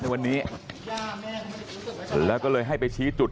ครับคุณสาวทราบไหมครับ